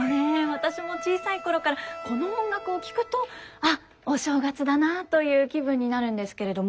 私も小さい頃からこの音楽を聴くと「あっお正月だな」という気分になるんですけれども。